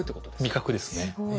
味覚ですね。